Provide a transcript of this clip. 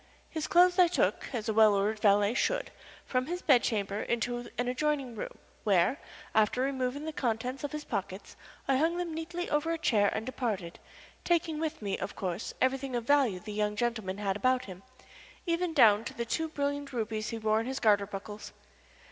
His clothes I took, as a well ordered valet should, from his bed chamber into an adjoining room, where, after removing the contents of his pockets, I hung them neatly over a chair and departed, taking with me, of course, everything of value the young gentleman had about him, even down to the two brilliant rubies he wore in his garter buckles.